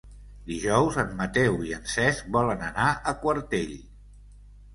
Dijous en Mateu i en Cesc volen anar a Quartell.